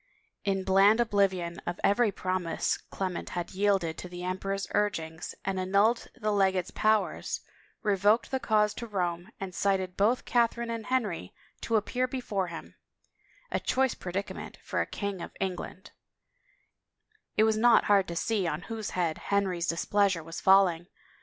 In bland oblivion of every promise Clement had yielded to the emperor's urgings and annulled the legate's powers, revoked the cause to Rome, and cited both Catherine and Henry to appear be fore him — a choice predicament for a king of England I It was not hard to see on whose head Henry's dis pleasure was falling.